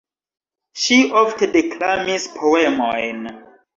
Ŝi ofte deklamis poemojn.